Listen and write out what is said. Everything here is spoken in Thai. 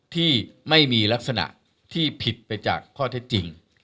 ที่ไม่มีลักษณะที่ผิดไปจากข้อเท็จจริง